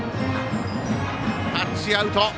タッチアウト！